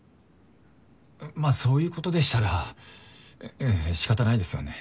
まあそういうことでしたらええ仕方ないですよね。